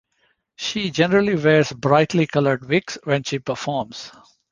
She generally wears brightly colored wigs when she performs.